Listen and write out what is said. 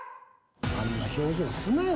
あんな表情すなよ